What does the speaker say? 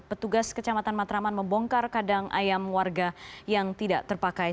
petugas kecamatan matraman membongkar kadang ayam warga yang tidak terpakai